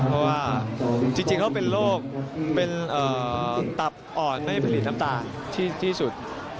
เพราะว่าจริงเขาเป็นโรคเป็นตับอ่อนไม่ผลิตน้ำตาลที่สุด